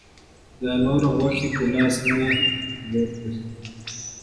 د نورو غوښې په لاس نه وررسي.